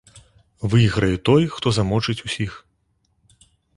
Выйграе той, хто замочыць усіх.